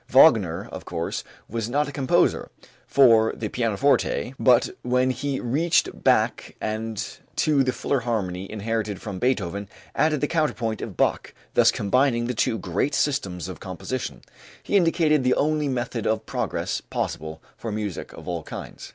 Wagner, of course, was not a composer for the pianoforte, but when he reached back and to the fuller harmony inherited from Beethoven added the counterpoint of Bach, thus combining the two great systems of composition, he indicated the only method of progress possible for music of all kinds.